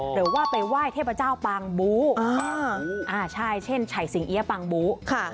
หรือว่าไปว่ายเทพเจ้าปางบุอ่าใช่เช่นฉ่ายสิงเยียปางบุค่ะ